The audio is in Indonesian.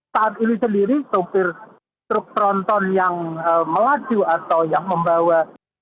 saat ini sendiri sopir truk tronton yang melaju atau yang membawa